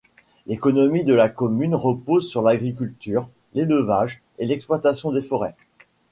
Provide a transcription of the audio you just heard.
L'économie de la commune repose sur l'agriculture, l'élevage et l'exploitation des forêts.